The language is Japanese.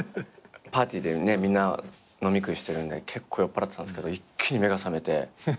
パーティーでねみんな飲み食いしてるんで結構酔っぱらってたんですけど一気に目が覚めて。